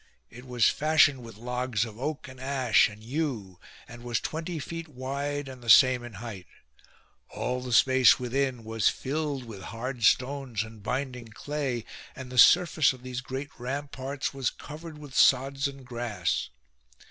It was fashioned with logs of oak and ash and yew and was twenty feet wide and the same in height. All the space within was filled with hard stones and bind ing clay ; and the surface of these great ramparts was covered with sods and grass.